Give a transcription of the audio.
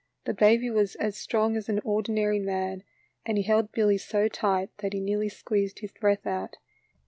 The baby was as strong as an ordinary man, and he held Billy so tight that he nearly squeeezed his breath out.